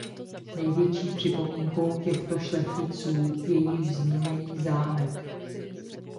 Největší připomínkou těchto šlechticů je již zmíněný zámek.